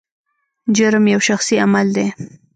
جرم یو شخصي عمل دی.